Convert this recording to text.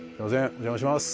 お邪魔します